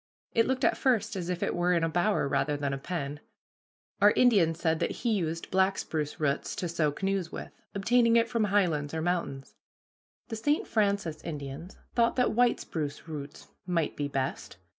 It looked at first as if it were in a bower rather than a pen. Our Indian said that he used black spruce roots to sew canoes with, obtaining it from high lands or mountains. The St. Francis Indians thought that white spruce roots might be best.